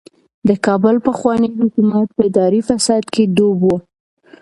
د کابل پخوانی حکومت په اداري فساد کې ډوب و.